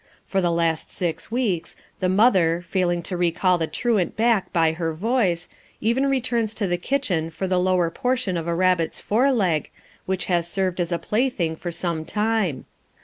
For the last six weeks, the mother, failing to recall the truant back by her voice, even returns to the kitchen for the lower portion of a rabbit's fore leg, which has served as a plaything for some time.